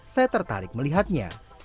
saya tertarik melihatnya